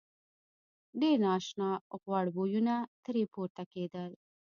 ډېر نا آشنا غوړ بویونه ترې پورته کېدل.